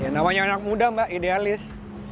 namanya anak muda mbak idealis